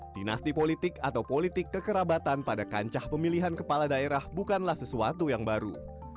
dinasti politik atau politik kekerabatan pada kancah pemilihan kepala daerah bukanlah sesuatu yang baru